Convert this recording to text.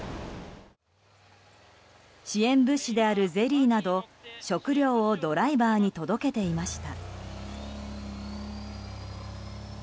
支援物資であるゼリーなど食料をドライバーに届けていました。